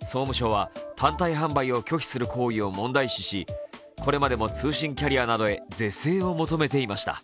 総務省は単体販売を拒否する行為を問題視しこれまでも通信キャリアなどへ是正を求めていました。